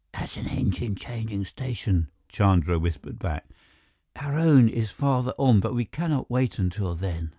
"At an engine changing station," Chandra whispered back. "Our own is farther on, but we cannot wait until then."